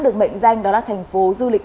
được mệnh danh đó là thành phố du lịch